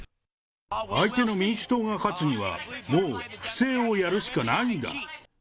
相手の民主党が勝つには、もう不正をやるしかないんだ。